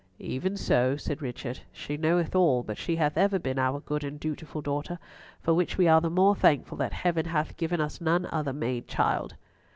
"Even so," said Richard. "She knoweth all, but she hath ever been our good and dutiful daughter, for which we are the more thankful that Heaven hath given us none other maid child."